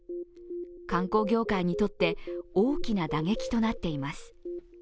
観光業界にとって大きな打撃となっています。